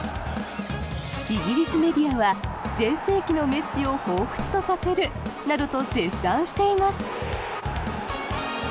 イギリスメディアは全盛期のメッシをほうふつとさせるなどと絶賛しています。